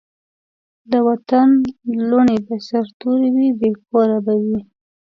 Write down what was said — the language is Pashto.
د وطن لوڼي به سرتوري وي بې کوره به وي